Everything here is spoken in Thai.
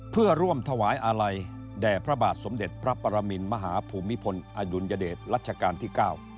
เพื่อร่วมถวายอาลัยแด่พระบาทสมเด็จพระปรมินมหาภูมิพลอดุลยเดชรัชกาลที่๙